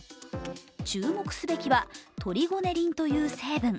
注目すべきはトリゴネリンという成分。